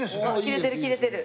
切れてる切れてる。